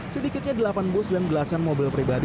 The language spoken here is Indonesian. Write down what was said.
sedikitnya delapan bus dan belasan mobil pribadi